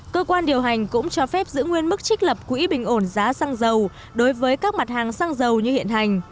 cơ quan điều hành cũng cho phép giữ nguyên mức trích lập quỹ bình ổn giá xăng dầu đối với các mặt hàng xăng dầu như hiện hành